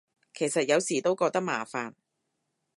其實有時都覺得麻煩